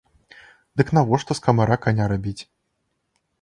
Дык навошта з камара каня рабіць?